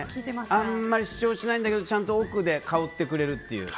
あまり主張しないんだけどちゃんと奥で香ってくれる。